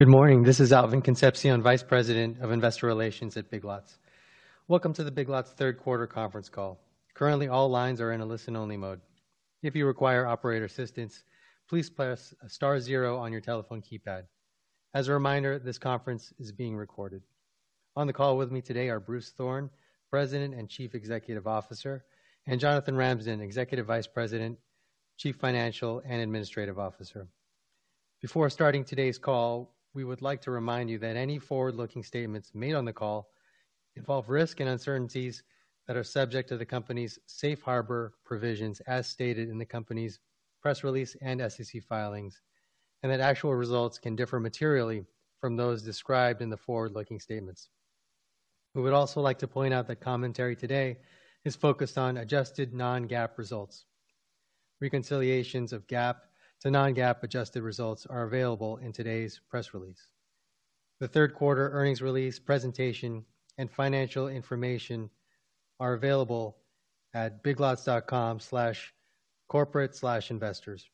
Good morning, this is Alvin Concepcion, Vice President of Investor Relations at Big Lots. Welcome to the Big Lots third quarter conference call. Currently, all lines are in a listen-only mode. If you require Operator assistance, please press star zero on your telephone keypad. As a reminder, this conference is being recorded. On the call with me today are Bruce Thorn, President and Chief Executive Officer, and Jonathan Ramsden, Executive Vice President, Chief Financial and Administrative Officer. Before starting today's call, we would like to remind you that any forward-looking statements made on the call involve risks and uncertainties that are subject to the company's Safe Harbor provisions, as stated in the company's press release and SEC filings, and that actual results can differ materially from those described in the forward-looking statements. We would also like to point out that commentary today is focused on adjusted non-GAAP results. Reconciliations of GAAP to non-GAAP adjusted results are available in today's press release. The third quarter earnings release presentation and financial information are available at biglots.com/corporate/investors.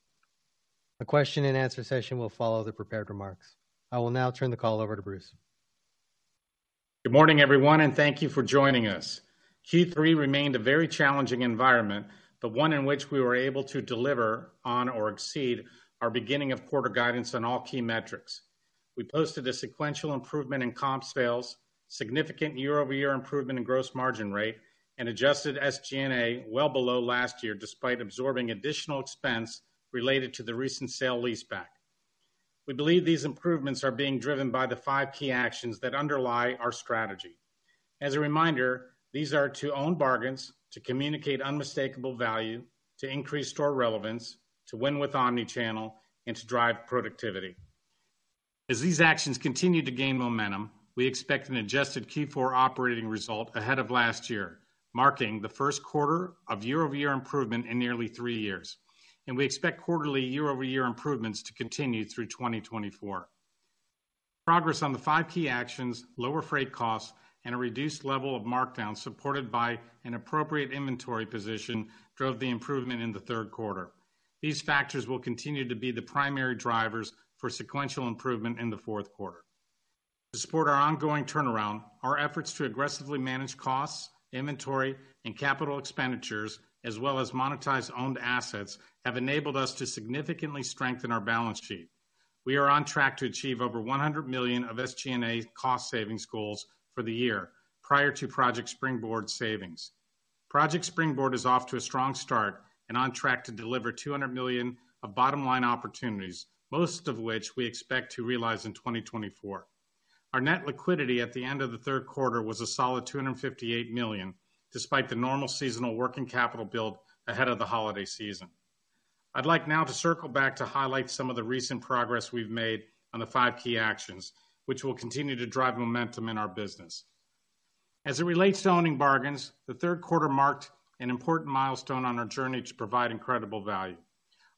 A question and answer session will follow the prepared remarks. I will now turn the call over to Bruce. Good morning, everyone, and thank you for joining us. Q3 remained a very challenging environment, but one in which we were able to deliver on or exceed our beginning of quarter guidance on all key metrics. We posted a sequential improvement in comp sales, significant year-over-year improvement in gross margin rate, and Adjusted SG&A well below last year, despite absorbing additional expense related to the recent sale-leaseback. We believe these improvements are being driven by the five key actions that underlie our strategy. As a reminder, these are to own bargains, to communicate unmistakable value, to increase store relevance, to win with omnichannel, and to drive productivity. As these actions continue to gain momentum, we expect an Adjusted Q4 operating result ahead of last year, marking the first quarter of year-over-year improvement in nearly three years, and we expect quarterly year-over-year improvements to continue through 2024. Progress on the five key actions, lower freight costs, and a reduced level of markdown, supported by an appropriate inventory position, drove the improvement in the third quarter. These factors will continue to be the primary drivers for sequential improvement in the fourth quarter. To support our ongoing turnaround, our efforts to aggressively manage costs, inventory, and capital expenditures, as well as monetize owned assets, have enabled us to significantly strengthen our balance sheet. We are on track to achieve over $100 million of SG&A cost savings goals for the year, prior to Project Springboard savings. Project Springboard is off to a strong start and on track to deliver $200 million of bottom-line opportunities, most of which we expect to realize in 2024. Our net liquidity at the end of the third quarter was a solid $258 million, despite the normal seasonal working capital build ahead of the holiday season. I'd like now to circle back to highlight some of the recent progress we've made on the five key actions, which will continue to drive momentum in our business. As it relates to owning bargains, the third quarter marked an important milestone on our journey to provide incredible value.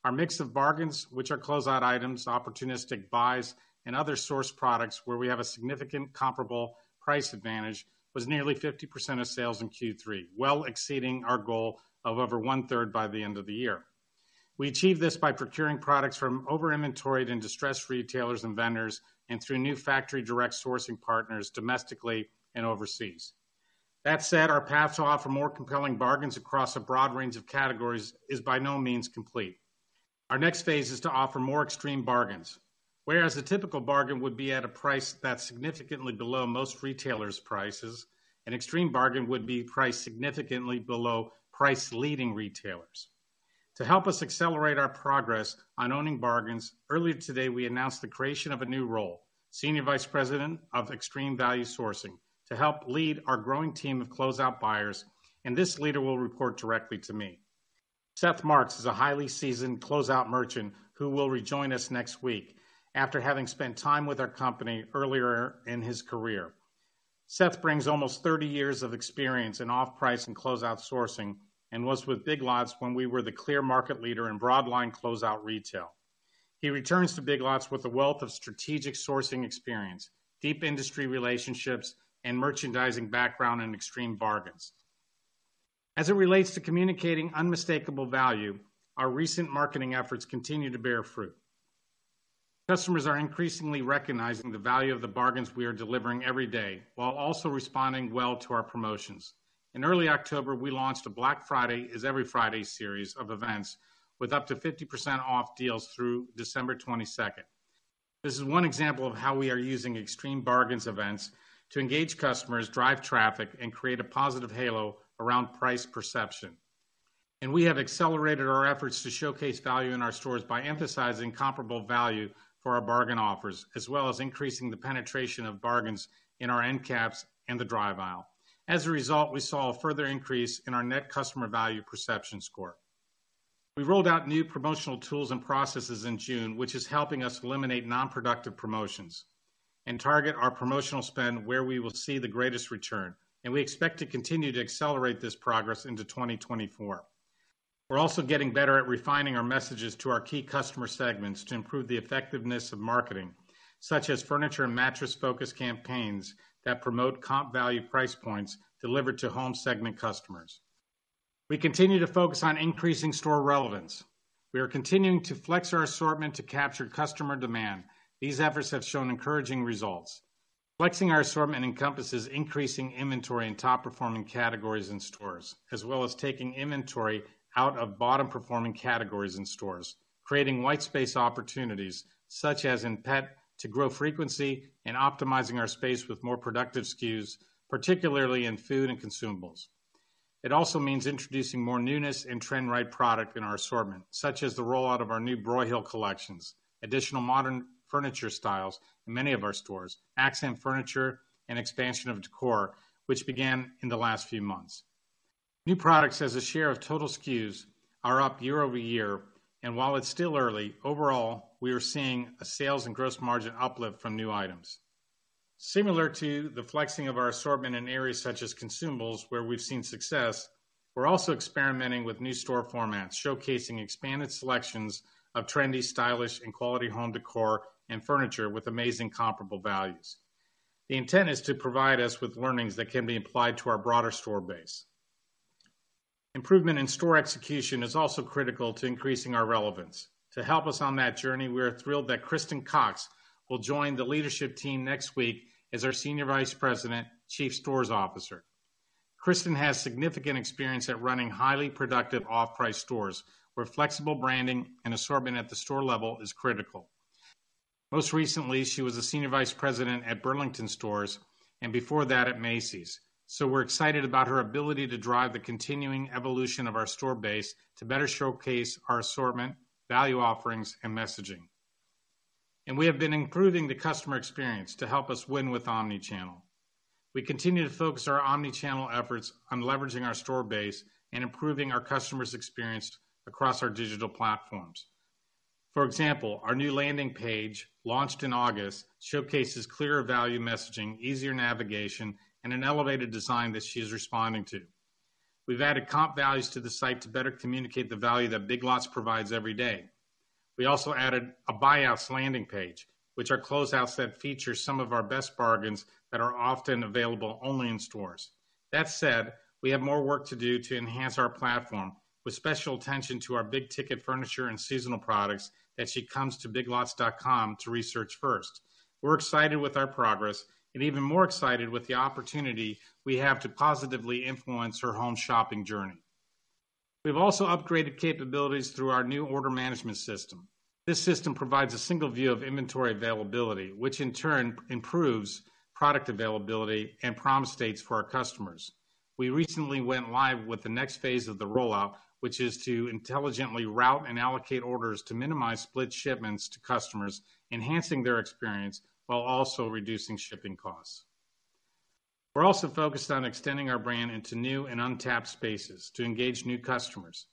Our mix of bargains, which are closeout items, opportunistic buys, and other source products where we have a significant comparable price advantage, was nearly 50% of sales in Q3, well exceeding our goal of over one-third by the end of the year. We achieved this by procuring products from over-inventoried and distressed retailers and vendors, and through new factory direct sourcing partners, domestically and overseas. That said, our path to offer more compelling bargains across a broad range of categories is by no means complete. Our next phase is to offer more extreme bargains, whereas a typical bargain would be at a price that's significantly below most retailers' prices, an extreme bargain would be priced significantly below price-leading retailers. To help us accelerate our progress on owning bargains, earlier today, we announced the creation of a new role, Senior Vice President of Extreme Value Sourcing, to help lead our growing team of closeout buyers, and this leader will report directly to me. Seth Marks is a highly seasoned closeout merchant who will rejoin us next week after having spent time with our company earlier in his career. Seth brings almost 30 years of experience in off-price and closeout sourcing, and was with Big Lots when we were the clear market leader in broad line closeout retail. He returns to Big Lots with a wealth of strategic sourcing experience, deep industry relationships, and merchandising background in extreme bargains. As it relates to communicating unmistakable value, our recent marketing efforts continue to bear fruit. Customers are increasingly recognizing the value of the bargains we are delivering every day, while also responding well to our promotions. In early October, we launched a Black Friday is Every Friday series of events, with up to 50% off deals through December 22. This is one example of how we are using extreme bargains events to engage customers, drive traffic, and create a positive halo around price perception. We have accelerated our efforts to showcase value in our stores by emphasizing comparable value for our bargain offers, as well as increasing the penetration of bargains in our end caps and the drive aisle. As a result, we saw a further increase in our net customer value perception score. We rolled out new promotional tools and processes in June, which is helping us eliminate non-productive promotions and target our promotional spend where we will see the greatest return, and we expect to continue to accelerate this progress into 2024. We're also getting better at refining our messages to our key customer segments to improve the effectiveness of marketing, such as furniture and mattress-focused campaigns that promote comp value price points delivered to home segment customers. We continue to focus on increasing store relevance. We are continuing to flex our assortment to capture customer demand. These efforts have shown encouraging results. Flexing our assortment encompasses increasing inventory in top-performing categories in stores, as well as taking inventory out of bottom-performing categories in stores, creating white space opportunities, such as in pet, to grow frequency and optimizing our space with more productive SKUs, particularly in food and consumables. It also means introducing more newness and trend-right product in our assortment, such as the rollout of our new Broyhill collections, additional modern furniture styles in many of our stores, accent furniture, and expansion of decor, which began in the last few months. New products as a share of total SKUs are up year-over-year, and while it's still early, overall, we are seeing a sales and gross margin uplift from new items. Similar to the flexing of our assortment in areas such as consumables, where we've seen success, we're also experimenting with new store formats, showcasing expanded selections of trendy, stylish, and quality home decor and furniture with amazing comparable values. The intent is to provide us with learnings that can be applied to our broader store base. Improvement in store execution is also critical to increasing our relevance. To help us on that journey, we are thrilled that Kristen Cox will join the leadership team next week as our Senior Vice President, Chief Stores Officer. Kristen has significant experience at running highly productive off-price stores, where flexible branding and assortment at the store level is critical. Most recently, she was a senior vice president at Burlington Stores, and before that, at Macy's. So we're excited about her ability to drive the continuing evolution of our store base to better showcase our assortment, value offerings, and messaging. And we have been improving the customer experience to help us win with omnichannel. We continue to focus our Omnichannel efforts on leveraging our store base and improving our customers' experience across our digital platforms. For example, our new landing page, launched in August, showcases clearer value messaging, easier navigation, and an elevated design that she's responding to. We've added comp values to the site to better communicate the value that Big Lots provides every day. We also added a buyouts landing page, which are closeouts that feature some of our best bargains that are often available only in stores. That said, we have more work to do to enhance our platform, with special attention to our big-ticket furniture and seasonal products, as she comes to biglots.com to research first. We're excited with our progress and even more excited with the opportunity we have to positively influence her home shopping journey. We've also upgraded capabilities through our new order management system. This system provides a single view of inventory availability, which in turn improves product availability and promise dates for our customers. We recently went live with the next phase of the rollout, which is to intelligently route and allocate orders to minimize split shipments to customers, enhancing their experience while also reducing shipping costs. We're also focused on extending our brand into new and untapped spaces to engage new customers.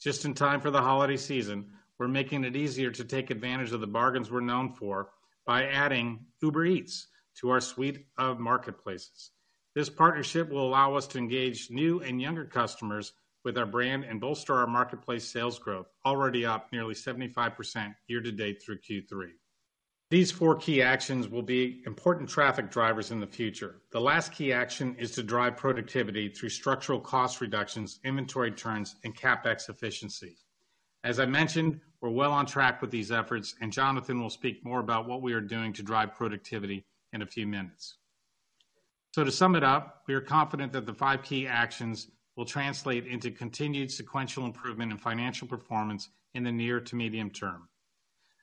Just in time for the holiday season, we're making it easier to take advantage of the bargains we're known for by adding Uber Eats to our suite of marketplaces. This partnership will allow us to engage new and younger customers with our brand and bolster our marketplace sales growth, already up nearly 75% year to date through Q3. These four key actions will be important traffic drivers in the future. The last key action is to drive productivity through structural cost reductions, inventory turns, and CapEx efficiency. As I mentioned, we're well on track with these efforts, and Jonathan will speak more about what we are doing to drive productivity in a few minutes. To sum it up, we are confident that the five key actions will translate into continued sequential improvement in financial performance in the near to medium term.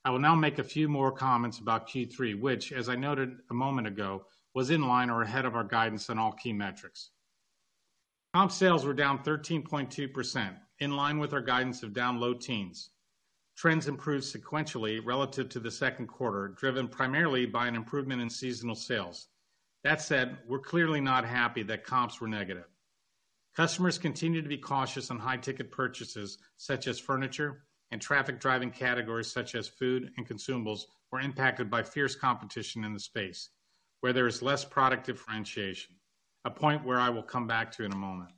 I will now make a few more comments about Q3, which, as I noted a moment ago, was in line or ahead of our guidance on all key metrics. Comp sales were down 13.2%, in line with our guidance of down low teens. Trends improved sequentially relative to the second quarter, driven primarily by an improvement in seasonal sales. That said, we're clearly not happy that comps were negative. Customers continued to be cautious on high-ticket purchases, such as furniture, and traffic-driving categories, such as food and consumables, were impacted by fierce competition in the space where there is less product differentiation, a point where I will come back to in a moment.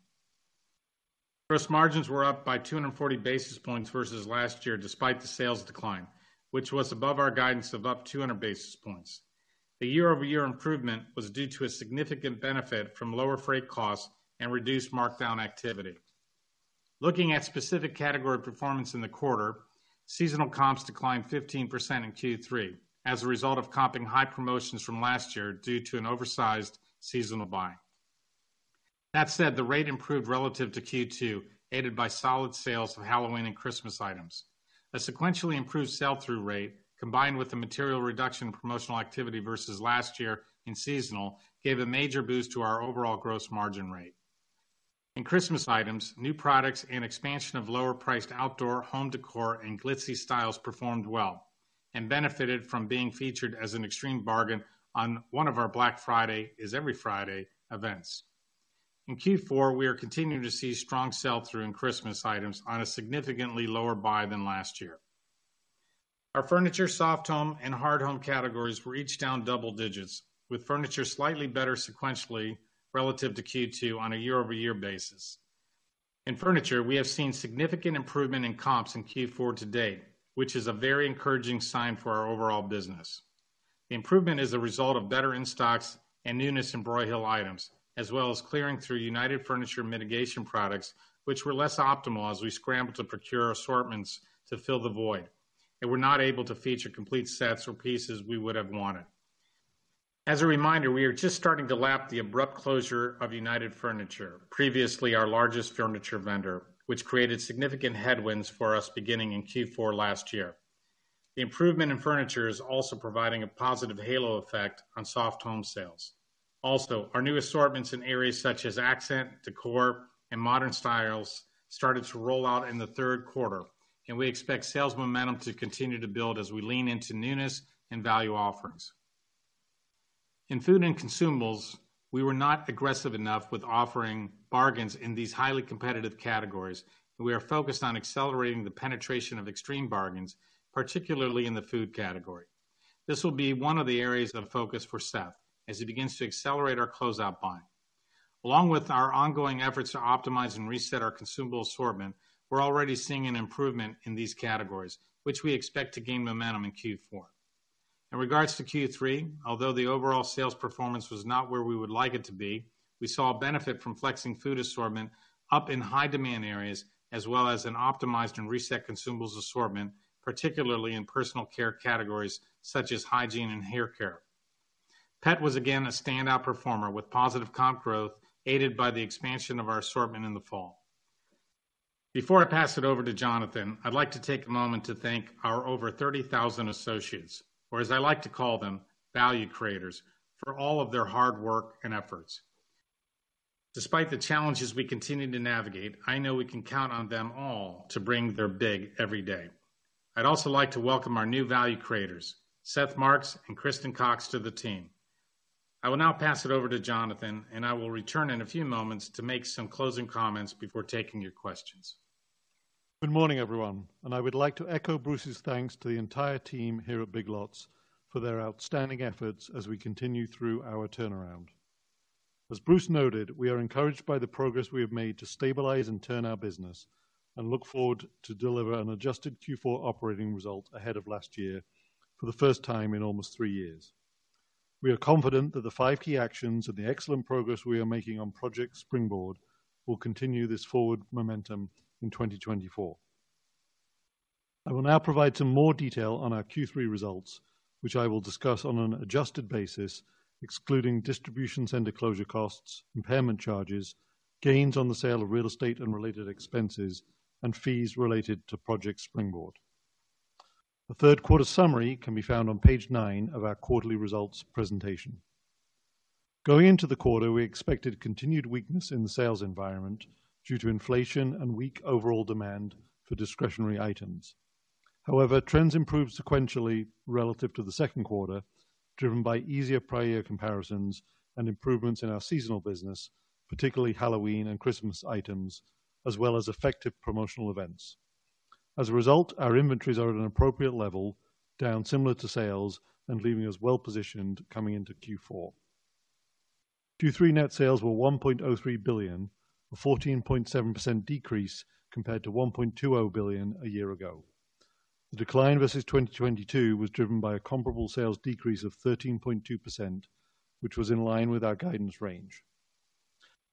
Gross margins were up by 240 basis points versus last year, despite the sales decline, which was above our guidance of up 200 basis points. The year-over-year improvement was due to a significant benefit from lower freight costs and reduced markdown activity. Looking at specific category performance in the quarter, seasonal comps declined 15% in Q3 as a result of comping high promotions from last year due to an oversized seasonal buy. That said, the rate improved relative to Q2, aided by solid sales of Halloween and Christmas items. A sequentially improved sell-through rate, combined with the material reduction in promotional activity versus last year in seasonal, gave a major boost to our overall gross margin rate. In Christmas items, new products and expansion of lower-priced outdoor, home decor, and glitzy styles performed well and benefited from being featured as an extreme bargain on one of our Black Friday is Every Friday events. In Q4, we are continuing to see strong sell-through in Christmas items on a significantly lower buy than last year. Our furniture, soft home, and hard home categories were each down double digits, with furniture slightly better sequentially relative to Q2 on a year-over-year basis. In furniture, we have seen significant improvement in comps in Q4 to date, which is a very encouraging sign for our overall business. The improvement is a result of better in-stocks and newness in Broyhill items, as well as clearing through United Furniture mitigation products, which were less optimal as we scrambled to procure assortments to fill the void, and we're not able to feature complete sets or pieces we would have wanted. As a reminder, we are just starting to lap the abrupt closure of United Furniture, previously our largest furniture vendor, which created significant headwinds for us beginning in Q4 last year. The improvement in furniture is also providing a positive halo effect on soft home sales. Also, our new assortments in areas such as accent, decor, and modern styles started to roll out in the third quarter, and we expect sales momentum to continue to build as we lean into newness and value offerings. In food and consumables, we were not aggressive enough with offering bargains in these highly competitive categories, and we are focused on accelerating the penetration of extreme bargains, particularly in the food category. This will be one of the areas of focus for Seth as he begins to accelerate our closeout buying. Along with our ongoing efforts to optimize and reset our consumable assortment, we're already seeing an improvement in these categories, which we expect to gain momentum in Q4. In regards to Q3, although the overall sales performance was not where we would like it to be, we saw a benefit from flexing food assortment up in high demand areas, as well as an optimized and reset Consumables Assortment, particularly in personal care categories such as hygiene and hair care. Pet was again a standout performer, with positive comp growth, aided by the expansion of our assortment in the fall. Before I pass it over to Jonathan, I'd like to take a moment to thank our over 30,000 associates, or as I like to call them, value creators, for all of their hard work and efforts. Despite the challenges we continue to navigate, I know we can count on them all to bring their Big every day. I'd also like to welcome our new value creators, Seth Marks and Kristen Cox, to the team. I will now pass it over to Jonathan, and I will return in a few moments to make some closing comments before taking your questions. Good morning, everyone, and I would like to echo Bruce's thanks to the entire team here at Big Lots for their outstanding efforts as we continue through our turnaround. As Bruce noted, we are encouraged by the progress we have made to stabilize and turn our business, and look forward to deliver an adjusted Q4 operating result ahead of last year for the first time in almost three years. We are confident that the five key actions and the excellent progress we are making on Project Springboard will continue this forward momentum in 2024. I will now provide some more detail on our Q3 results, which I will discuss on an adjusted basis, excluding distribution center closure costs, impairment charges, gains on the sale of real estate and related expenses, and fees related to Project Springboard. The third quarter summary can be found on page nine of our quarterly results presentation. Going into the quarter, we expected continued weakness in the sales environment due to inflation and weak overall demand for discretionary items. However, trends improved sequentially relative to the second quarter, driven by easier prior year comparisons and improvements in our seasonal business, particularly Halloween and Christmas items, as well as effective promotional events. As a result, our inventories are at an appropriate level, down similar to sales and leaving us well-positioned coming into Q4. Q3 net sales were $1.03 billion, a 14.7% decrease compared to $1.20 billion a year ago. The decline versus 2022 was driven by a comparable sales decrease of 13.2%, which was in line with our guidance range.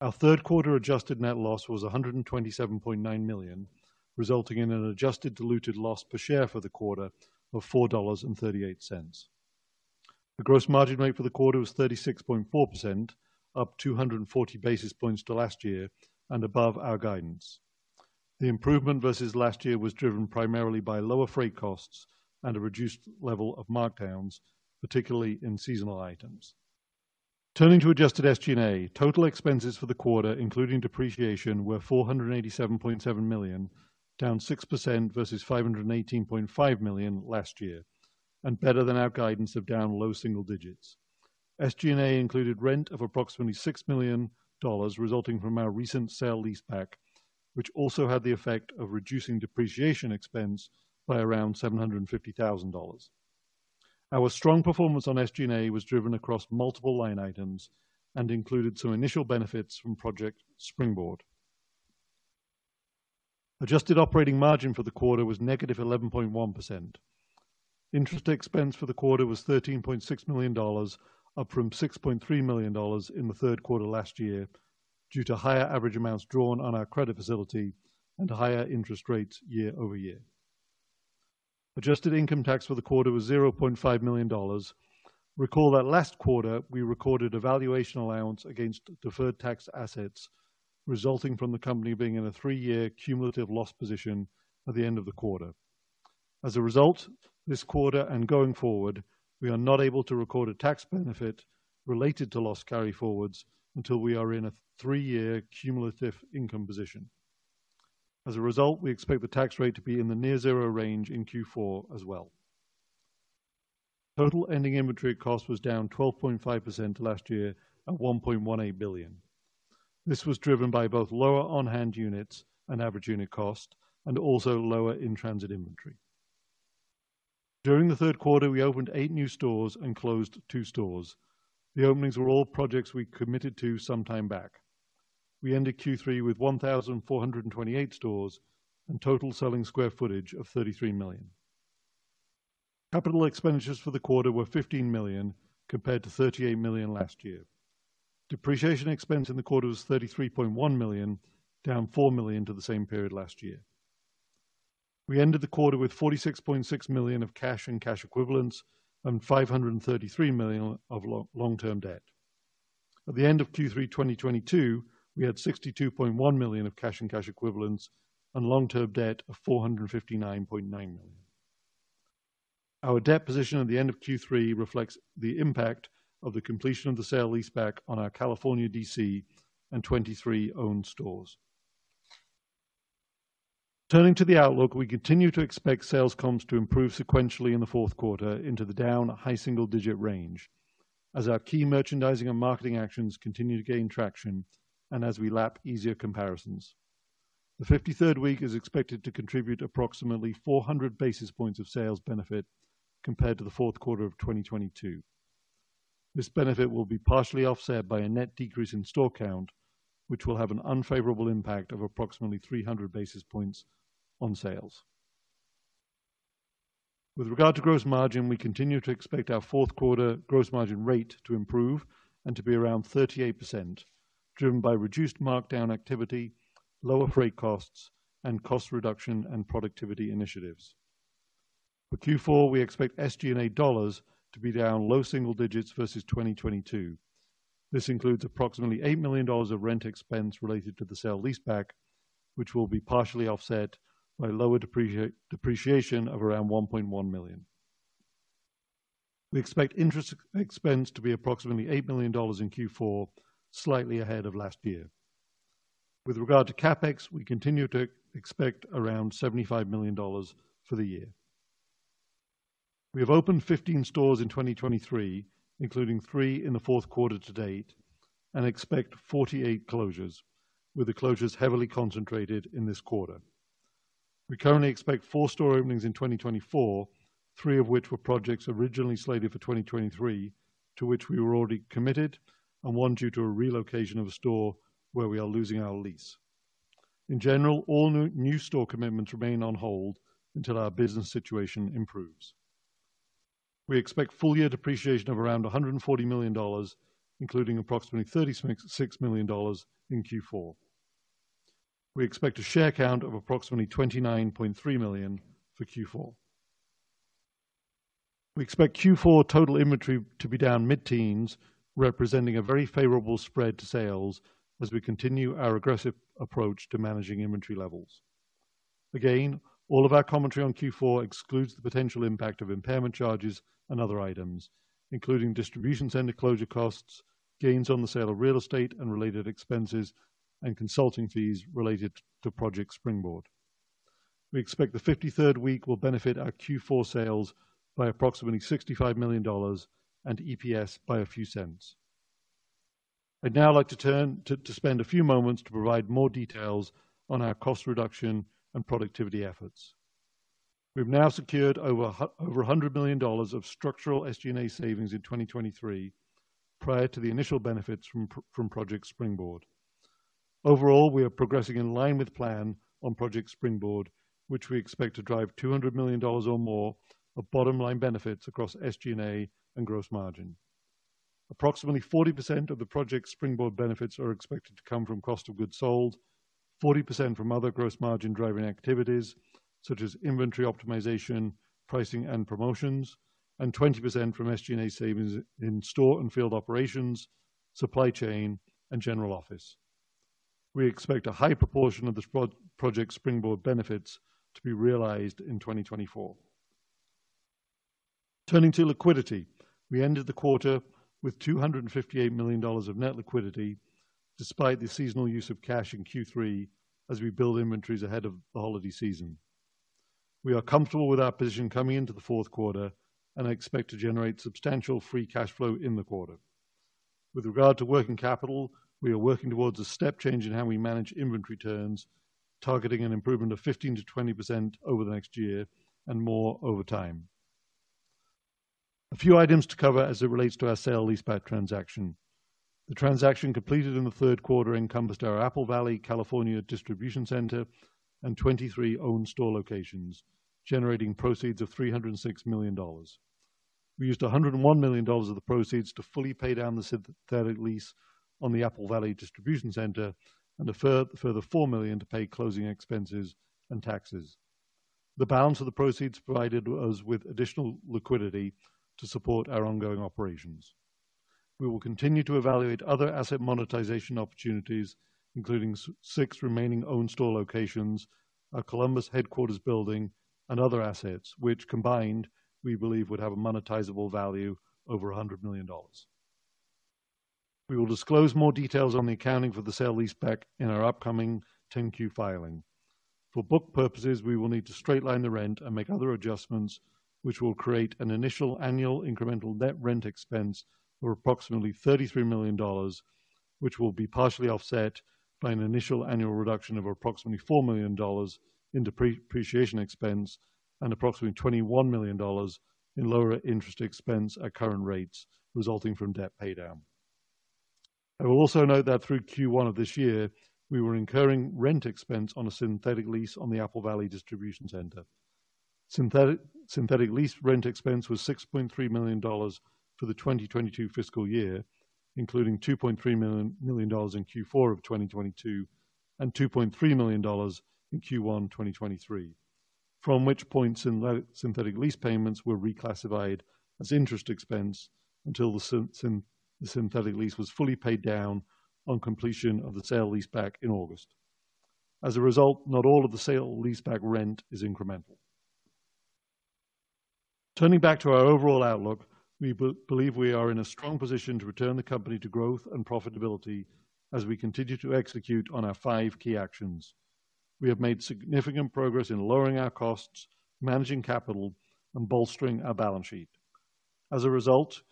Our third quarter adjusted net loss was $127.9 million, resulting in an adjusted diluted loss per share for the quarter of $4.38. The gross margin rate for the quarter was 36.4%, up 240 basis points to last year and above our guidance. The improvement versus last year was driven primarily by lower freight costs and a reduced level of markdowns, particularly in seasonal items. Turning to adjusted SG&A, total expenses for the quarter, including depreciation, were $487.7 million, down 6% versus $518.5 million last year, and better than our guidance of down low single digits. SG&A included rent of approximately $6 million, resulting from our recent sale-leaseback, which also had the effect of reducing depreciation expense by around $750,000. Our strong performance on SG&A was driven across multiple line items and included some initial benefits from Project Springboard. Adjusted operating margin for the quarter was -11.1%. Interest expense for the quarter was $13.6 million, up from $6.3 million in the third quarter last year, due to higher average amounts drawn on our credit facility and higher interest rates year-over-year. Adjusted income tax for the quarter was $0.5 million. Recall that last quarter, we recorded a valuation allowance against deferred tax assets, resulting from the company being in a three-year cumulative loss position at the end of the quarter. As a result, this quarter and going forward, we are not able to record a tax benefit related to loss carryforwards until we are in a three-year cumulative income position. As a result, we expect the tax rate to be in the near zero range in Q4 as well. Total ending inventory cost was down 12.5% to last year at $1.18 billion. This was driven by both lower on-hand units and average unit cost and also lower in-transit inventory. During the third quarter, we opened eight new stores and closed two stores. The openings were all projects we committed to some time back. We ended Q3 with 1,428 stores and total selling square footage of 33 million sq ft. Capital expenditures for the quarter were $15 million, compared to $38 million last year. Depreciation expense in the quarter was $33.1 million, down $4 million from the same period last year. We ended the quarter with $46.6 million of cash and cash equivalents, and $533 million of long-term debt. At the end of Q3 2022, we had $62.1 million of cash and cash equivalents, and long-term debt of $459.9 million. Our debt position at the end of Q3 reflects the impact of the completion of the sale-leaseback on our California DC and 23 owned stores. Turning to the outlook, we continue to expect sales comps to improve sequentially in the fourth quarter into the down high single-digit range, as our key merchandising and marketing actions continue to gain traction and as we lap easier comparisons. The 53rd week is expected to contribute approximately 400 basis points of sales benefit compared to the fourth quarter of 2022. This benefit will be partially offset by a net decrease in store count, which will have an unfavorable impact of approximately 300 basis points on sales. With regard to Gross Margin, we continue to expect our fourth quarter Gross Margin rate to improve and to be around 38%, driven by reduced markdown activity, lower freight costs, and cost reduction and productivity initiatives. For Q4, we expect SG&A dollars to be down low single digits versus 2022. This includes approximately $8 million of rent expense related to the sale-leaseback, which will be partially offset by lower depreciation of around $1.1 million. We expect interest expense to be approximately $8 million in Q4, slightly ahead of last year. With regard to CapEx, we continue to expect around $75 million for the year. We have opened 15 stores in 2023, including three in the fourth quarter to date, and expect 48 closures, with the closures heavily concentrated in this quarter. We currently expect four store openings in 2024, 3 of which were projects originally slated for 2023, to which we were already committed, and one due to a relocation of a store where we are losing our lease. In general, all new store commitments remain on hold until our business situation improves. We expect full year depreciation of around $140 million, including approximately $36 million in Q4. We expect a share count of approximately 29.3 million for Q4. We expect Q4 total inventory to be down mid-teens, representing a very favorable spread to sales as we continue our aggressive approach to managing inventory levels. Again, all of our commentary on Q4 excludes the potential impact of impairment charges and other items, including distribution center closure costs, gains on the sale of real estate and related expenses, and consulting fees related to Project Springboard. We expect the 53rd week will benefit our Q4 sales by approximately $65 million and EPS by a few cents. I'd now like to turn to spend a few moments to provide more details on our cost reduction and productivity efforts. We've now secured over $100 million of structural SG&A savings in 2023, prior to the initial benefits from Project Springboard. Overall, we are progressing in line with plan on Project Springboard, which we expect to drive $200 million or more of bottom line benefits across SG&A and gross margin. Approximately 40% of the Project Springboard benefits are expected to come from cost of goods sold, 40% from other gross margin driving activities such as inventory optimization, pricing, and promotions, and 20% from SG&A savings in store and field operations, supply chain, and general office. We expect a high proportion of the Project Springboard benefits to be realized in 2024. Turning to liquidity, we ended the quarter with $258 million of net liquidity, despite the seasonal use of cash in Q3 as we build inventories ahead of the holiday season. We are comfortable with our position coming into the fourth quarter and expect to generate substantial free cash flow in the quarter. With regard to working capital, we are working towards a step change in how we manage inventory turns, targeting an improvement of 15%-20% over the next year and more over time. A few items to cover as it relates to our sale-leaseback transaction. The transaction completed in the third quarter encompassed our Apple Valley, California, Distribution Center and 23 owned store locations, generating proceeds of $306 million. We used $101 million of the proceeds to fully pay down the Synthetic Lease on the Apple Valley Distribution Center, and further $4 million to pay closing expenses and taxes. The balance of the proceeds provided us with additional liquidity to support our ongoing operations. We will continue to evaluate other asset monetization opportunities, including six remaining owned store locations, our Columbus Headquarters building, and other assets, which combined, we believe, would have a monetizable value over $100 million. We will disclose more details on the accounting for the sale-leaseback in our upcoming 10-Q filing. For book purposes, we will need to straight line the rent and make other adjustments, which will create an initial annual incremental net rent expense of approximately $33 million, which will be partially offset by an initial annual reduction of approximately $4 million in depreciation expense and approximately $21 million in lower interest expense at current rates resulting from debt paydown. I will also note that through Q1 of this year, we were incurring rent expense on a synthetic lease on the Apple Valley Distribution Center. Synthetic Lease rent expense was $6.3 million for the 2022 fiscal year, including $2.3 million in Q4 of 2022, and $2.3 million in Q1 2023. From which point, synthetic lease payments were reclassified as interest expense until the synthetic lease was fully paid down on completion of the sale-leaseback in August. As a result, not all of the sale-leaseback rent is incremental. Turning back to our overall outlook, we believe we are in a strong position to return the company to growth and profitability as we continue to execute on our five key actions. We have made significant progress in lowering our costs, managing capital, and bolstering our balance sheet. As a result,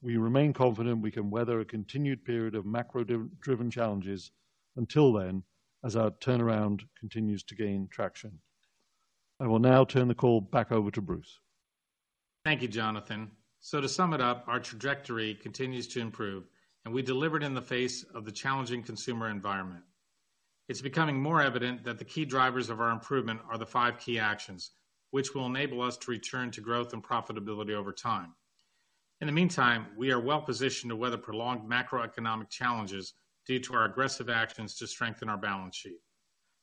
we remain confident we can weather a continued period of macro-driven challenges until then, as our turnaround continues to gain traction. I will now turn the call back over to Bruce. Thank you, Jonathan. So to sum it up, our trajectory continues to improve, and we delivered in the face of the challenging consumer environment. It's becoming more evident that the key drivers of our improvement are the five key actions, which will enable us to return to growth and profitability over time. In the meantime, we are well positioned to weather prolonged macroeconomic challenges due to our aggressive actions to strengthen our balance sheet.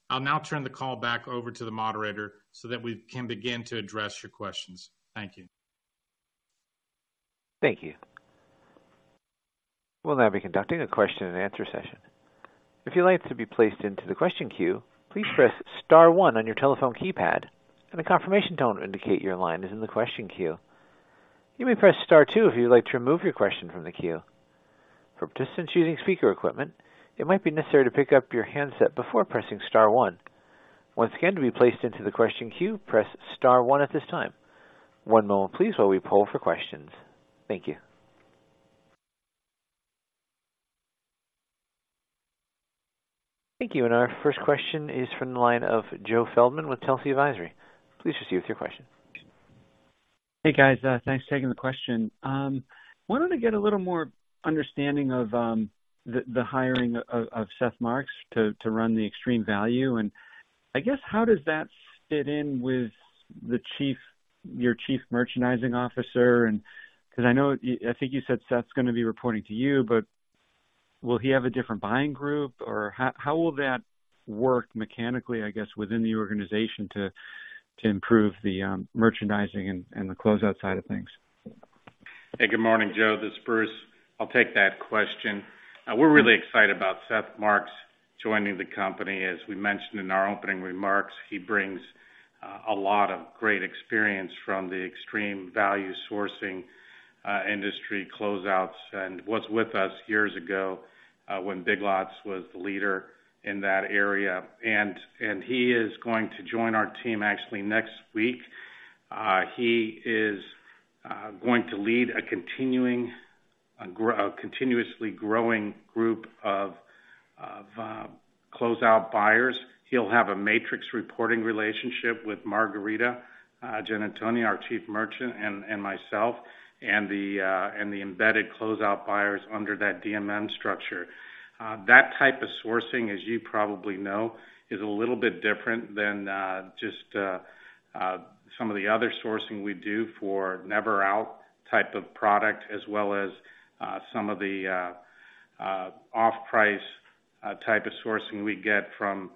I'll now turn the call back over to the moderator so that we can begin to address your questions. Thank you. Thank you. We'll now be conducting a question and answer session. If you'd like to be placed into the question queue, please press star one on your telephone keypad, and a confirmation tone to indicate your line is in the question queue. You may press star two if you'd like to remove your question from the queue. For participants using speaker equipment, it might be necessary to pick up your handset before pressing star one. Once again, to be placed into the question queue, press star one at this time. One moment, please, while we poll for questions. Thank you. Thank you. Our first question is from the line of Joe Feldman with Telsey Advisory. Please proceed with your question. Hey, guys, thanks for taking the question. Wanted to get a little more understanding of the hiring of Seth Marks to run the extreme value. And I guess, how does that fit in with the Chief—your Chief Merchandising Officer? And cause I know, I think you said Seth's gonna be reporting to you, but will he have a different buying group? Or how will that work mechanically, I guess, within the organization, to improve the merchandising and the closeout side of things? Hey, good morning, Joe. This is Bruce. I'll take that question. We're really excited about Seth Marks joining the company. As we mentioned in our opening remarks, he brings a lot of great experience from the extreme value sourcing industry closeouts, and was with us years ago when Big Lots was the leader in that area. And he is going to join our team actually next week. He is going to lead a continuously growing group of closeout buyers. He'll have a matrix reporting relationship with Margarita Giannantonio, our Chief Merchant, and myself, and the embedded closeout buyers under that DMM structure. That type of sourcing, as you probably know, is a little bit different than just some of the other sourcing we do for never out type of product, as well as some of the off-price type of sourcing we get from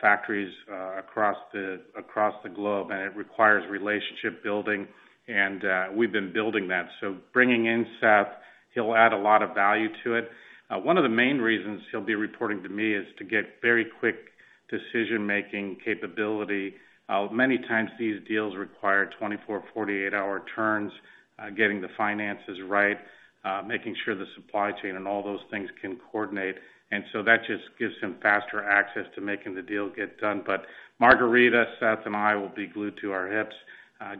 factories across the globe. And it requires relationship building, and we've been building that. So bringing in Seth, he'll add a lot of value to it. One of the main reasons he'll be reporting to me is to get very quick decision-making capability. Many times these deals require 24-hour, 48-hour turns, getting the finances right, making sure the supply chain and all those things can coordinate. And so that just gives him faster access to making the deal get done. But Margarita, Seth, and I will be glued to our hips,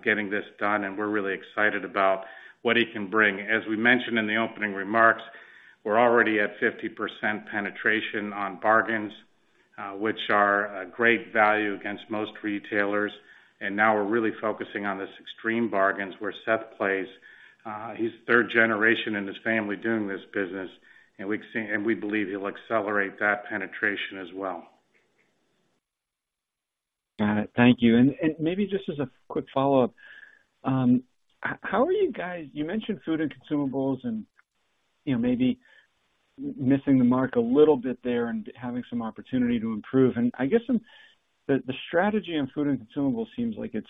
getting this done, and we're really excited about what he can bring. As we mentioned in the opening remarks, we're already at 50% penetration on bargains, which are a great value against most retailers. And now we're really focusing on this extreme bargains where Seth plays. He's third generation in his family doing this business, and we've seen, and we believe he'll accelerate that penetration as well. Got it. Thank you. And maybe just as a quick follow-up, how are you guys? You mentioned food and consumables and, you know, maybe missing the mark a little bit there and having some opportunity to improve. And I guess the strategy on food and consumables seems like it's,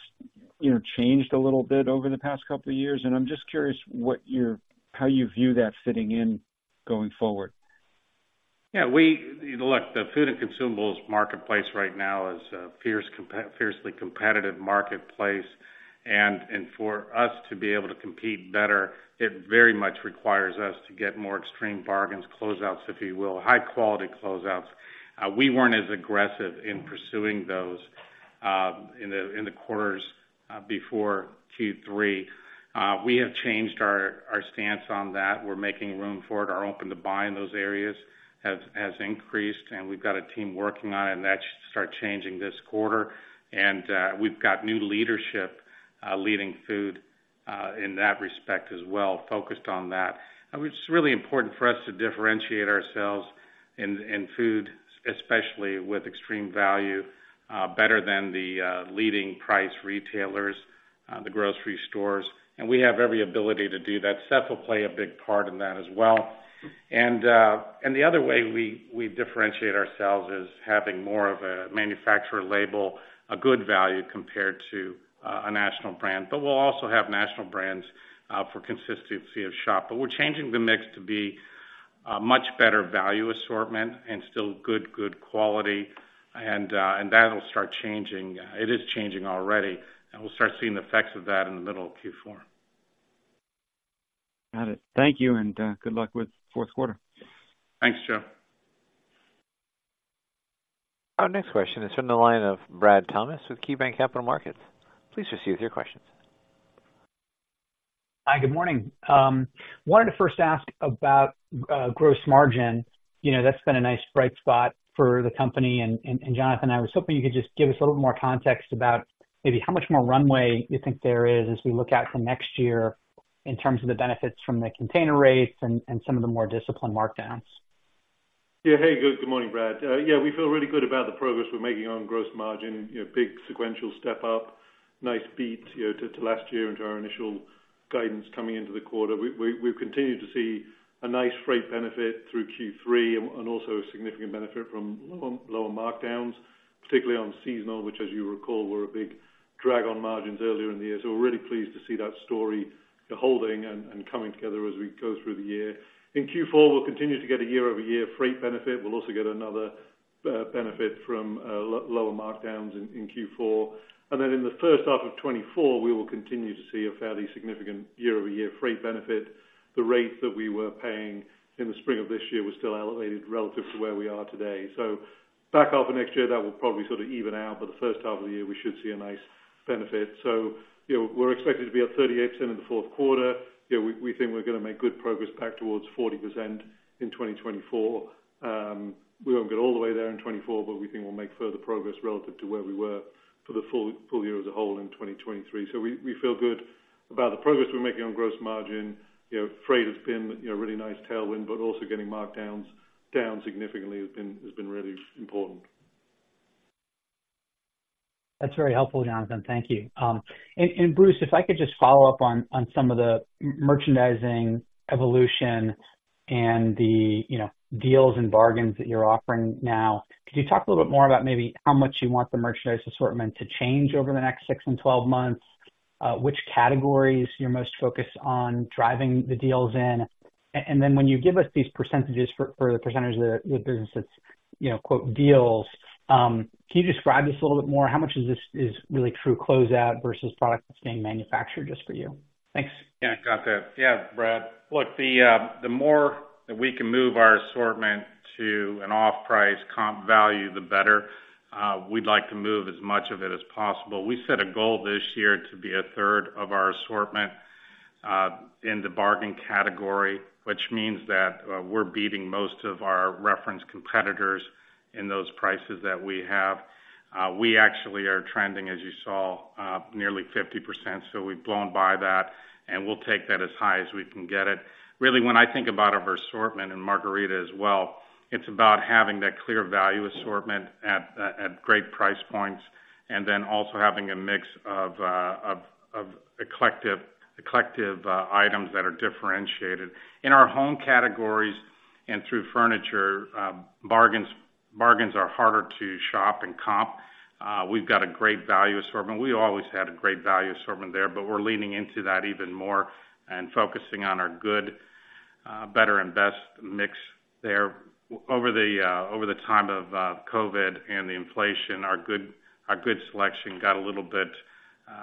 you know, changed a little bit over the past couple of years, and I'm just curious what your, how you view that fitting in going forward. Yeah, Look, the food and consumables marketplace right now is a fiercely competitive marketplace, and for us to be able to compete better, it very much requires us to get more extreme bargains, closeouts, if you will, high quality closeouts. We weren't as aggressive in pursuing those in the quarters before Q3. We have changed our stance on that. We're making room for it, our open-to-buy in those areas has increased, and we've got a team working on it, and that should start changing this quarter. We've got new leadership leading food in that respect as well, focused on that. I mean, it's really important for us to differentiate ourselves in food, especially with extreme value, better than the leading price retailers, the grocery stores, and we have every ability to do that. Seth will play a big part in that as well. And the other way we differentiate ourselves is having more of a manufacturer label, a good value compared to a national brand. But we'll also have national brands for consistency of shop, but we're changing the mix to be a much better value assortment and still good, good quality, and that'll start changing. It is changing already, and we'll start seeing the effects of that in the middle of Q4. Got it. Thank you, and good luck with the fourth quarter. Thanks, Joe. Our next question is from the line of Brad Thomas with KeyBanc Capital Markets. Please proceed with your questions. Hi, good morning. Wanted to first ask about, gross margin. You know, that's been a nice bright spot for the company, and, and Jonathan, I was hoping you could just give us a little more context about maybe how much more runway you think there is as we look out for next year in terms of the benefits from the container rates and, and some of the more disciplined markdowns. Yeah. Hey, good, good morning, Brad. Yeah, we feel really good about the progress we're making on gross margin. You know, big sequential step up, nice beat, you know, to last year and to our initial guidance coming into the quarter. We've continued to see a nice freight benefit through Q3 and also a significant benefit from lower markdowns, particularly on seasonal, which, as you recall, were a big drag on margins earlier in the year. So we're really pleased to see that story holding and coming together as we go through the year. In Q4, we'll continue to get a year-over-year freight benefit. We'll also get another benefit from lower markdowns in Q4. And then in the first half of 2024, we will continue to see a fairly significant year-over-year freight benefit. The rate that we were paying in the spring of this year was still elevated relative to where we are today. So back half of next year, that will probably sort of even out, but the first half of the year, we should see a nice benefit. So, you know, we're expected to be at 38% in the fourth quarter. Yeah, we think we're gonna make good progress back towards 40% in 2024. We won't get all the way there in 2024, but we think we'll make further progress relative to where we were for the full year as a whole in 2023. So we feel good about the progress we're making on gross margin. You know, freight has been, you know, a really nice tailwind, but also getting markdowns down significantly has been really important. That's very helpful, Jonathan. Thank you. And Bruce, if I could just follow up on some of the merchandising evolution and the, you know, deals and bargains that you're offering now. Could you talk a little bit more about maybe how much you want the merchandise assortment to change over the next six and 12 months? Which categories you're most focused on driving the deals in? And then when you give us these percentages for the percentage of the business that's, you know, quote, "deals," can you describe this a little bit more? How much of this is really true closeout versus product that's being manufactured just for you? Thanks. Yeah, got that. Yeah, Brad. Look, the more that we can move our assortment to an off-price comp value, the better. We'd like to move as much of it as possible. We set a goal this year to be a third of our assortment in the bargain category, which means that we're beating most of our reference competitors in those prices that we have. We actually are trending, as you saw, nearly 50%, so we've blown by that, and we'll take that as high as we can get it. Really, when I think about our assortment and Margarita as well, it's about having that clear value assortment at great price points, and then also having a mix of eclectic items that are differentiated. In our home categories and through furniture, bargains, bargains are harder to shop and comp. We've got a great value assortment. We always had a great value assortment there, but we're leaning into that even more and focusing on our good, better, and best mix there. Over the, over the time of, COVID and the inflation, our good, our good selection got a little bit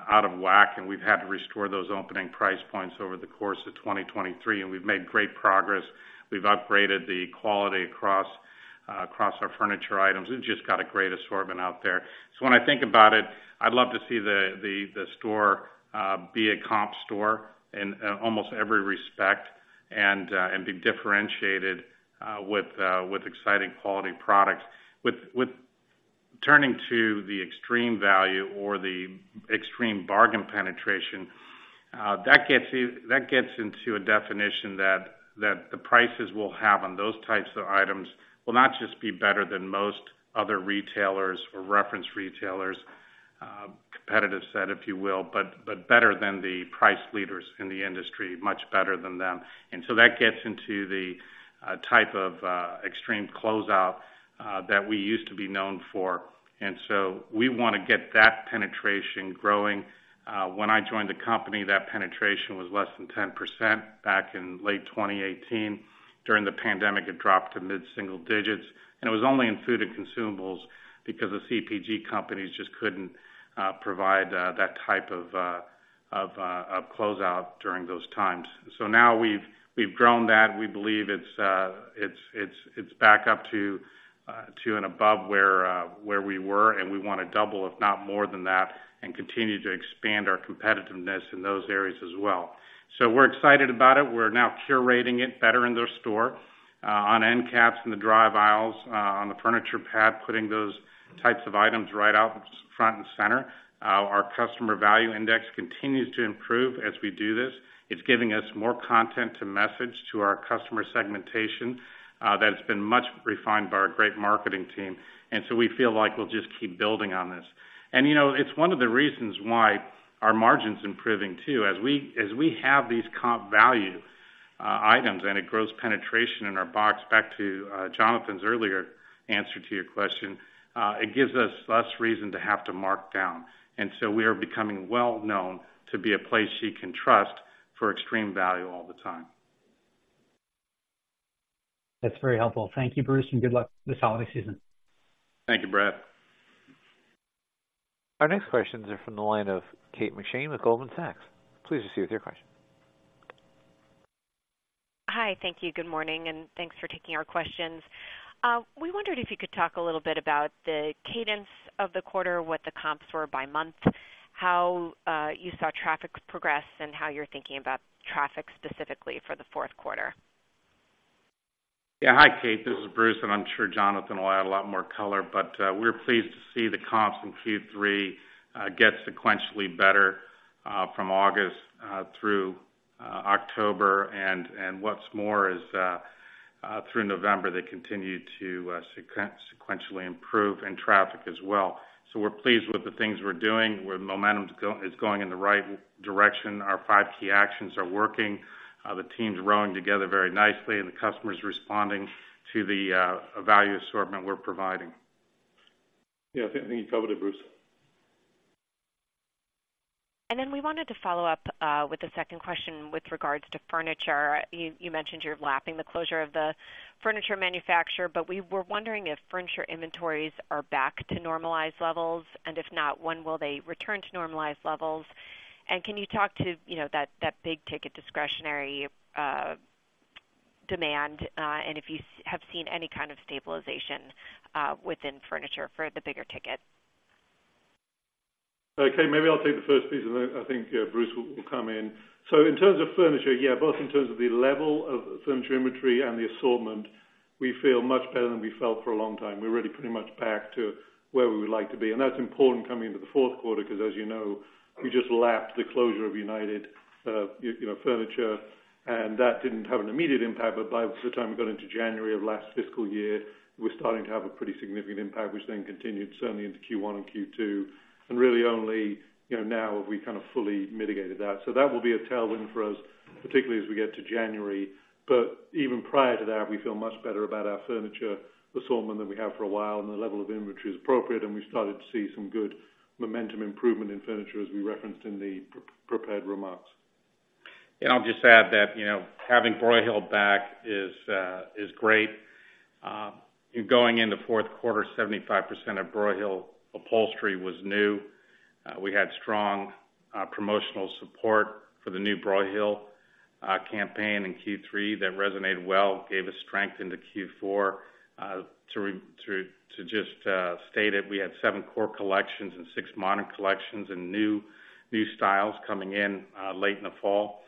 out of whack, and we've had to restore those opening price points over the course of 2023, and we've made great progress. We've upgraded the quality across, across our furniture items. We've just got a great assortment out there. So when I think about it, I'd love to see the, the, the store be a comp store in, almost every respect and, and be differentiated, with, with exciting quality products. Turning to the extreme value or the extreme bargain penetration, that gets into a definition that the prices we'll have on those types of items will not just be better than most other retailers or reference retailers, competitive set, if you will, but better than the price leaders in the industry, much better than them. And so that gets into the type of extreme closeout that we used to be known for, and so we wanna get that penetration growing. When I joined the company, that penetration was less than 10% back in late 2018. During the pandemic, it dropped to mid-single digits, and it was only in food and consumables because the CPG companies just couldn't provide that type of closeout during those times. So now we've grown that. We believe it's back up to and above where we were, and we wanna double, if not more than that, and continue to expand our competitiveness in those areas as well. So we're excited about it. We're now curating it better in the store, on end caps, in the dry aisles, on the furniture pad, putting those types of items right out front and center. Our customer value index continues to improve as we do this. It's giving us more content to message to our customer segmentation that has been much refined by our great marketing team. And, you know, it's one of the reasons why our margin's improving, too. As we have these comp value items, and it grows penetration in our box, back to Jonathan's earlier answer to your question, it gives us less reason to have to mark down, and so we are becoming well known to be a place you can trust for extreme value all the time. That's very helpful. Thank you, Bruce, and good luck this holiday season. Thank you, Brad. Our next questions are from the line of Kate McShane with Goldman Sachs. Please proceed with your question. Hi. Thank you. Good morning, and thanks for taking our questions. We wondered if you could talk a little bit about the cadence of the quarter, what the comps were by month, how you saw traffic progress, and how you're thinking about traffic specifically for the fourth quarter. Yeah. Hi, Kate, this is Bruce, and I'm sure Jonathan will add a lot more color, but, we're pleased to see the comps in Q3 get sequentially better from August through October. And what's more is, through November, they continued to sequentially improve in traffic as well. So we're pleased with the things we're doing, where the momentum is going in the right direction. Our five key actions are working. The team's rowing together very nicely, and the customer's responding to the value assortment we're providing. Yeah, I think you covered it, Bruce. And then we wanted to follow up with a second question with regards to furniture. You mentioned you're lapping the closure of the furniture manufacturer, but we were wondering if furniture inventories are back to normalized levels, and if not, when will they return to normalized levels? And can you talk to, you know, that big ticket discretionary demand, and if you have seen any kind of stabilization within furniture for the bigger ticket? Okay, maybe I'll take the first piece, and then I think, Bruce will come in. So in terms of furniture, yeah, both in terms of the level of furniture inventory and the assortment, we feel much better than we felt for a long time. We're really pretty much back to where we would like to be, and that's important coming into the fourth quarter, because, as you know, we just lapped the closure of United, you know, Furniture, and that didn't have an immediate impact, but by the time we got into January of last fiscal year, we're starting to have a pretty significant impact, which then continued certainly into Q1 and Q2, and really only, you know, now have we kind of fully mitigated that. So that will be a tailwind for us, particularly as we get to January. Even prior to that, we feel much better about our furniture assortment than we have for a while, and the level of inventory is appropriate, and we've started to see some good momentum improvement in furniture, as we referenced in the prepared remarks. I'll just add that, you know, having Broyhill back is great. Going into fourth quarter, 75% of Broyhill upholstery was new. We had strong promotional support for the new Broyhill campaign in Q3 that resonated well, gave us strength into Q4. To just state it, we had seven core collections and six modern collections and new styles coming in late in the fall.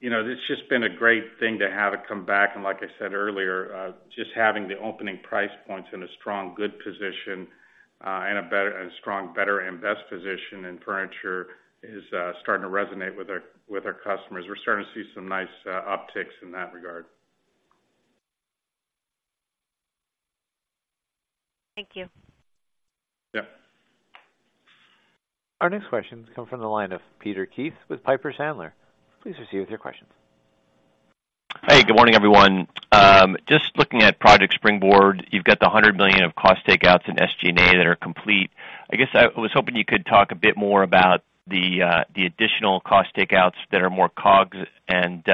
You know, it's just been a great thing to have it come back. And like I said earlier, just having the opening price points in a strong, good position and a better and strong, better, and best position in furniture is starting to resonate with our customers. We're starting to see some nice upticks in that regard. Thank you. Yeah. Our next questions come from the line of Peter Keith with Piper Sandler. Please proceed with your questions. Hey, good morning, everyone. Just looking at Project Springboard, you've got the $100 million of cost takeouts in SG&A that are complete. I guess I was hoping you could talk a bit more about the additional cost takeouts that are more COGS and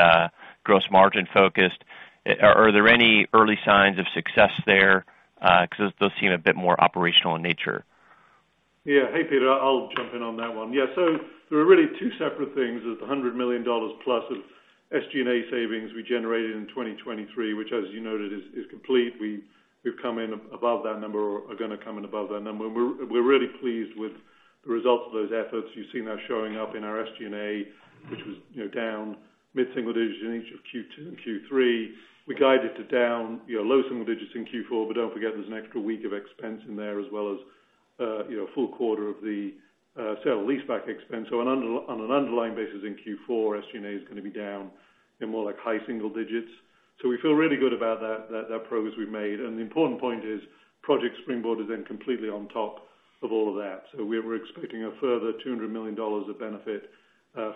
gross margin-focused. Are there any early signs of success there? Because those seem a bit more operational in nature. Yeah. Hey, Peter, I'll jump in on that one. Yeah, so there are really two separate things. There's the $100 million plus of SG&A savings we generated in 2023, which, as you noted, is complete. We've come in above that number or are gonna come in above that number, and we're really pleased with the results of those efforts. You've seen that showing up in our SG&A, which was, you know, down mid-single digits in each of Q2 and Q3. We guided to down, you know, low single digits in Q4, but don't forget, there's an extra week of expense in there, as well as, you know, a full quarter of the sale-leaseback expense. So on an underlying basis in Q4, SG&A is gonna be down in more like high single digits. So we feel really good about that, that, that progress we've made. And the important point is, Project Springboard is then completely on top of all of that. So we're, we're expecting a further $200 million of benefit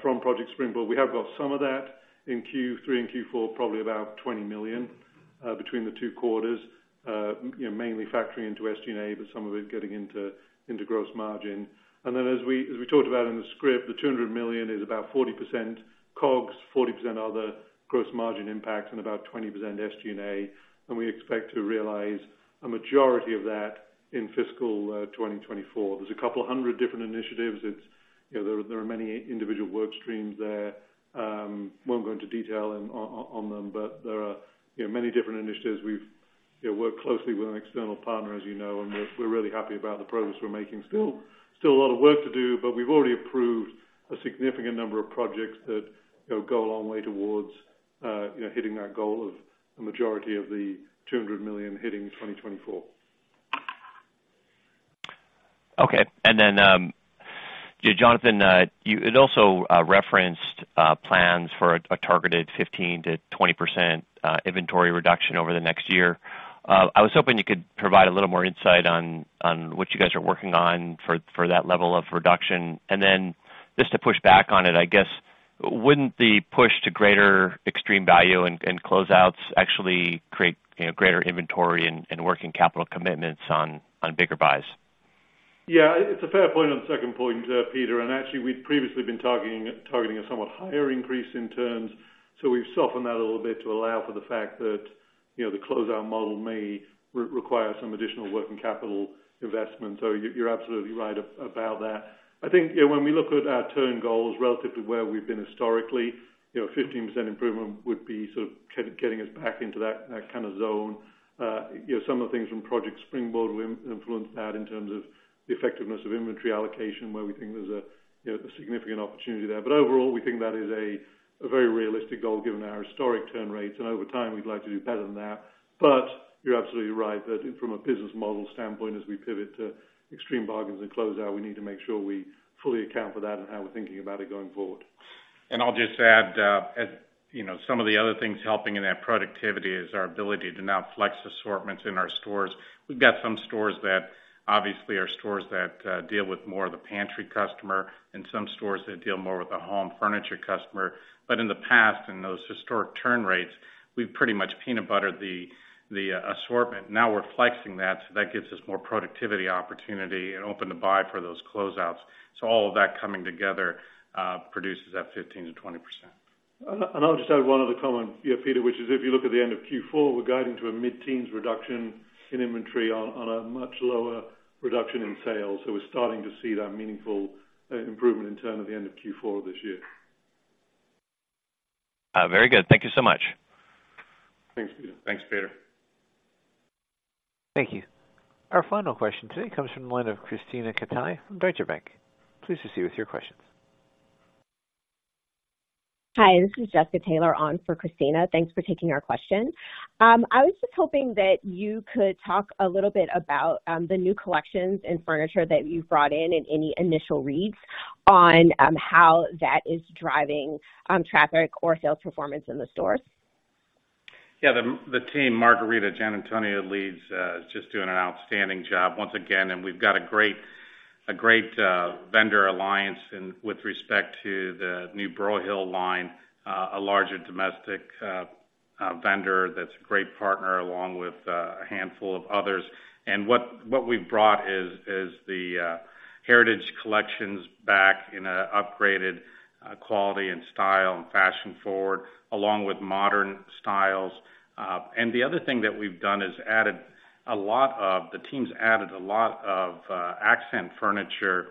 from Project Springboard. We have got some of that in Q3 and Q4, probably about $20 million between the two quarters, you know, mainly factoring into SG&A, but some of it getting into, into gross margin. And then, as we, as we talked about in the script, the $200 million is about 40% COGS, 40% other gross margin impact, and about 20% SG&A. And we expect to realize a majority of that in fiscal 2024. There's a couple hundred different initiatives. It's, you know, there, there are many individual work streams there. Won't go into detail on them, but there are, you know, many different initiatives we've. Yeah, work closely with an external partner, as you know, and we're really happy about the progress we're making. Still a lot of work to do, but we've already approved a significant number of projects that, you know, go a long way towards, you know, hitting that goal of the majority of the $200 million hitting 2024. Okay. And then, Jonathan, you had also referenced plans for a targeted 15%-20% inventory reduction over the next year. I was hoping you could provide a little more insight on what you guys are working on for that level of reduction. And then, just to push back on it, I guess, wouldn't the push to greater extreme value and closeouts actually create, you know, greater inventory and working capital commitments on bigger buys? Yeah, it's a fair point on the second point, Peter, and actually, we've previously been targeting a somewhat higher increase in turns. So we've softened that a little bit to allow for the fact that, you know, the closeout model may require some additional working capital investment. So you're absolutely right about that. I think, yeah, when we look at our turn goals relative to where we've been historically, you know, a 15% improvement would be sort of getting us back into that kind of zone. You know, some of the things from Project Springboard will influence that in terms of the effectiveness of inventory allocation, where we think there's a significant opportunity there. But overall, we think that is a very realistic goal, given our historic turn rates, and over time, we'd like to do better than that. But you're absolutely right that from a business model standpoint, as we pivot to extreme bargains and closeout, we need to make sure we fully account for that and how we're thinking about it going forward. I'll just add, as you know, some of the other things helping in that productivity is our ability to now flex assortments in our stores. We've got some stores that obviously are stores that deal with more of the pantry customer and some stores that deal more with the home furniture customer. In the past, in those historic turn rates, we've pretty much peanut buttered the assortment. Now we're flexing that, so that gives us more productivity opportunity and open to buy for those closeouts. All of that coming together produces that 15%-20%. I'll just add one other comment, yeah, Peter, which is, if you look at the end of Q4, we're guiding to a mid-teens reduction in inventory on a much lower reduction in sales. So we're starting to see that meaningful improvement in turn of the end of Q4 this year. Very good. Thank you so much. Thanks, Peter. Thanks, Peter. Thank you. Our final question today comes from the line of Krisztina Katai from Deutsche Bank. Please proceed with your questions. Hi, this is Jessica Taylor on for Christina. Thanks for taking our question. I was just hoping that you could talk a little bit about the new collections in furniture that you've brought in and any initial reads on how that is driving traffic or sales performance in the stores. Yeah, the team Margarita Giannantoni leads just doing an outstanding job once again, and we've got a great vendor alliance and with respect to the new Broyhill line, a larger domestic vendor that's a great partner along with a handful of others. And what we've brought is the heritage collections back in a upgraded quality and style and fashion forward, along with modern styles. And the other thing that we've done is the teams added a lot of accent furniture,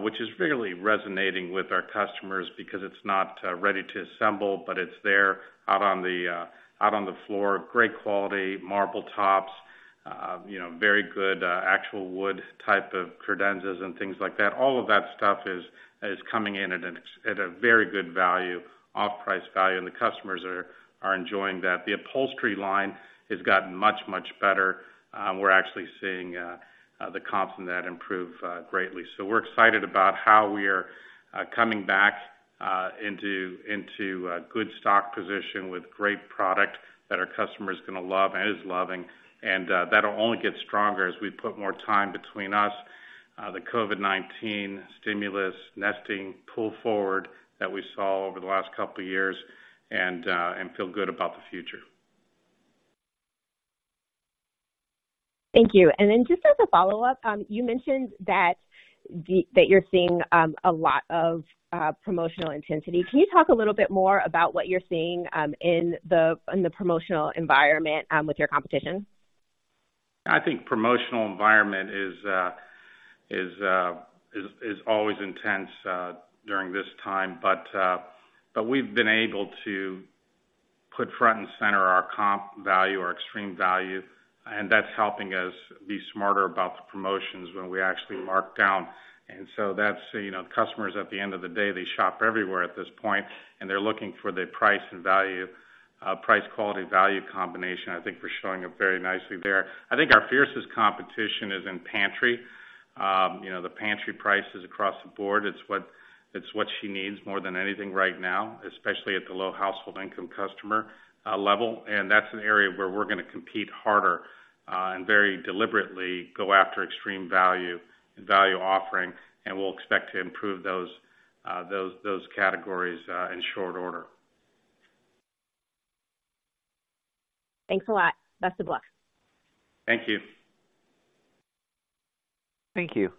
which is really resonating with our customers because it's not ready to assemble, but it's there out on the floor. Great quality, marble tops, you know, very good actual wood type of credenzas and things like that. All of that stuff is coming in at a very good value, off-price value, and the customers are enjoying that. The upholstery line has gotten much, much better. We're actually seeing the comps from that improve greatly. So we're excited about how we are coming back into a good stock position with great product that our customers are gonna love and is loving, and that'll only get stronger as we put more time between us, the COVID-19 stimulus nesting pull forward that we saw over the last couple of years and feel good about the future. Thank you. And then just as a follow-up, you mentioned that you're seeing a lot of promotional intensity. Can you talk a little bit more about what you're seeing in the promotional environment with your competition? I think promotional environment is always intense during this time. But we've been able to put front and center our comp value, our extreme value, and that's helping us be smarter about the promotions when we actually mark down. And so that's, you know, customers, at the end of the day, they shop everywhere at this point, and they're looking for the price and value, price quality-value combination. I think we're showing up very nicely there. I think our fiercest competition is in pantry. You know, the pantry prices across the board, it's what, it's what she needs more than anything right now, especially at the low household income customer level. That's an area where we're gonna compete harder, and very deliberately go after extreme value and value offering, and we'll expect to improve those categories in short order. Thanks a lot. Best of luck. Thank you. Thank you.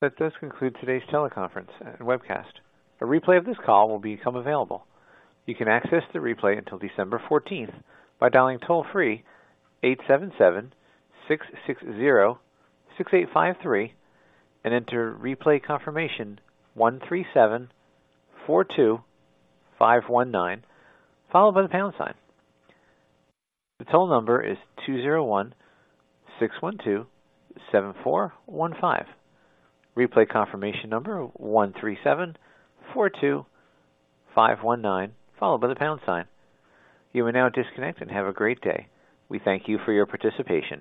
That does conclude today's teleconference and webcast. A replay of this call will become available. You can access the replay until December 14th by dialing toll-free 877-660-6853 and enter replay confirmation 13742519, followed by the pound sign. The toll number is 201-612-7415. Replay confirmation number: 13742519, followed by the pound sign. You are now disconnected and have a great day. We thank you for your participation.